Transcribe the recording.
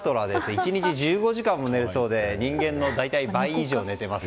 １日１５時間も寝るそうで人間の倍以上寝ています。